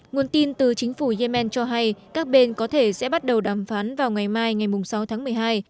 nguồn tin từ chính phủ yemen cho hay các bên có thể sẽ bắt đầu đàm phán vào ngày mai ngày sáu tháng một mươi hai